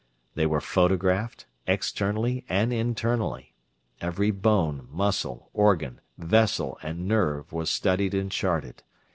They were photographed, externally and internally. Every bone, muscle, organ, vessel, and nerve was studied and charted.